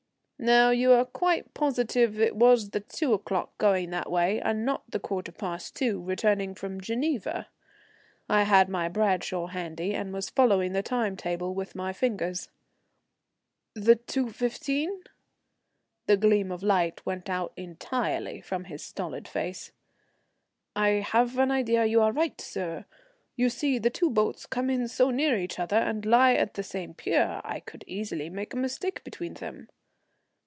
"Now, are you quite positive it was the two o'clock going that way, and not the quarter past two returning from Geneva?" I had my Bradshaw handy, and was following the time table with my fingers. "The 2.15?" The gleam of light went out entirely from his stolid face. "I have an idea you are right, sir. You see the two boats come in so near each other and lie at the same pier. I could easily make a mistake between them."